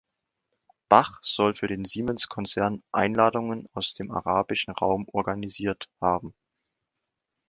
Bach soll für den Siemenskonzern Einladungen aus dem arabischen Raum organisiert haben.